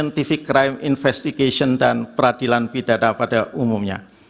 scientific crime investigation dan peradilan pidana pada umumnya